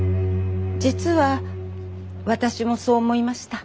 実は私もそう思いました。